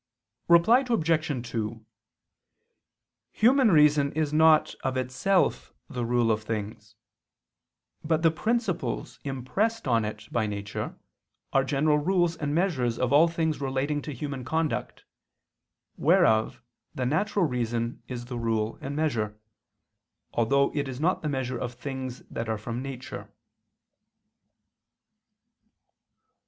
Reply Obj. 2: Human reason is not, of itself, the rule of things: but the principles impressed on it by nature, are general rules and measures of all things relating to human conduct, whereof the natural reason is the rule and measure, although it is not the measure of things that are from nature.